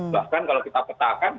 bahkan kalau kita petakan